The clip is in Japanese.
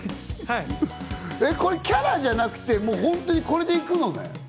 これ、キャラじゃなくて本当にこれでいくのね？